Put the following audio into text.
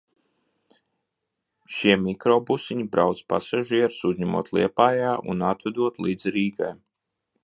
Šie mikrobusiņi brauc, pasažierus uzņemot Liepājā un atvedot līdz Rīgai.